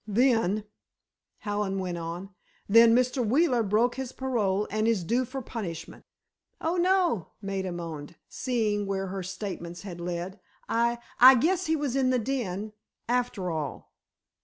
"Then," Hallen went on, "then, Mr. Wheeler broke his parole—and is due for punishment." "Oh, no," Maida moaned, seeing where her statements had led. "I—I guess he was in the den—after all."